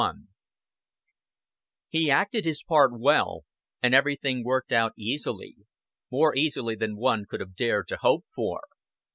_" XXXI He acted his part well, and everything worked out easily more easily than one could have dared to hope for.